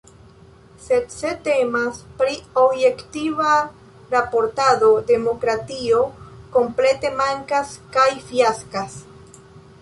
Sed se temas pri objektiva raportado, demokratio komplete mankas kaj fiaskas.